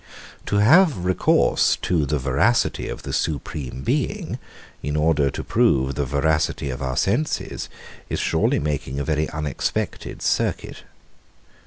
120. To have recourse to the veracity of the supreme Being, in order to prove the veracity of our senses, is surely making a very unexpected circuit.